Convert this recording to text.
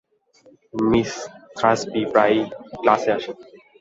Miss Thursby প্রায় ক্লাসে আসেন।